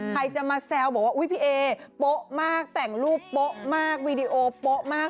ใครจะมาแซวบอกว่าอุ๊ยพี่เอโป๊ะมากแต่งรูปโป๊ะมากวีดีโอโป๊ะมาก